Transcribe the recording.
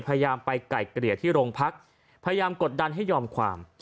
พยายามไปไก่เกลี่ยที่โรงพักพยายามกดดันให้ยอมความ